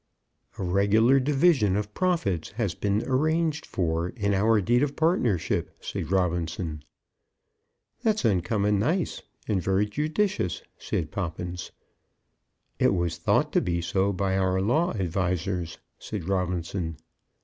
"A regular division of our profits has been arranged for in our deed of partnership," said Robinson. "That's uncommon nice, and very judicious," said Poppins. "It was thought to be so by our law advisers," said Robinson.